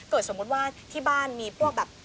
สมมุติว่าที่บ้านมีพวกแบบ